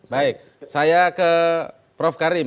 baik saya ke prof karim